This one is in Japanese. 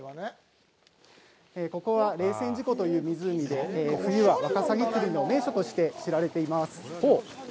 ここは霊仙寺湖という湖で、冬はワカサギの釣りの名所として知られています。